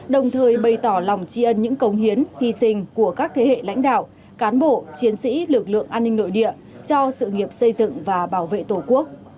đồng thời bày tỏ lòng tri ân những công hiến hy sinh của các thế hệ lãnh đạo cán bộ chiến sĩ lực lượng an ninh nội địa cho sự nghiệp xây dựng và bảo vệ tổ quốc